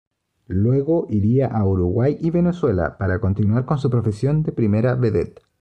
Luego iría a Uruguay y Venezuela para continuar con su profesión de primera vedette.